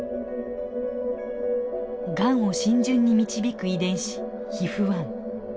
がんを浸潤に導く遺伝子ＨＩＦ−１。